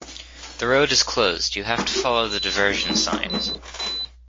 The road is closed. You have to follow the diversion signs